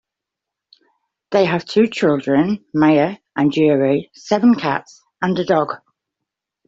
They have two children, Maya and Uri, seven cats and a dog.